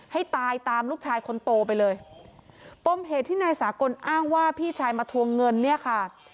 ให้ตายตามลูกชายคนโตไปเลยปมเหตุที่นายสากลอ้างว่าพี่ชายมาทวงเงินเนี่ยค่ะ